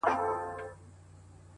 چي د مخ لمر يې تياره سي نيمه خوا سي,